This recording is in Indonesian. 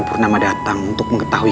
purnama datang untuk mengetahui